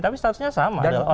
tapi statusnya sama